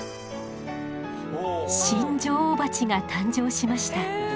新女王蜂が誕生しました。